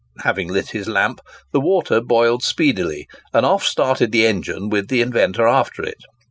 Having lit his lamp, the water boiled speedily, and off started the engine with the inventor after it.